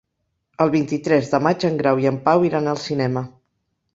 El vint-i-tres de maig en Grau i en Pau iran al cinema.